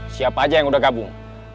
siapa aja yang udah gabung